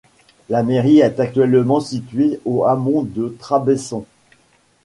La mairie est actuellement située au hameau de Trabesson.